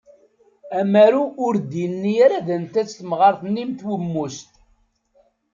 Amaru ur d-yenni ara d anta-tt temɣart-nni mm twemmust.